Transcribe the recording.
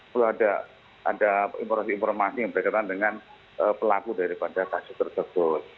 perlu ada informasi informasi yang berkaitan dengan pelaku daripada kasus tersebut